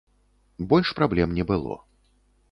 Больш праблем не было.